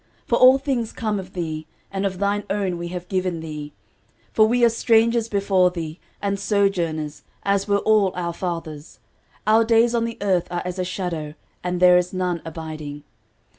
for all things come of thee, and of thine own have we given thee. 13:029:015 For we are strangers before thee, and sojourners, as were all our fathers: our days on the earth are as a shadow, and there is none abiding.